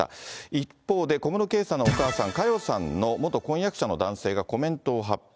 一方で、小室圭さんのお母さん、佳代さんの元婚約者の男性がコメントを発表。